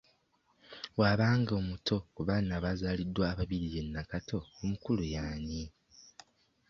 Bw'aba nga omuto ku baana abazaaliddwa ababiri ye Nakato omukulu y'ani?